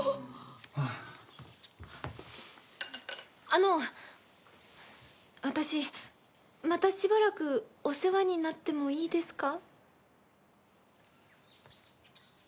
あの私またしばらくお世話になってもいいですか？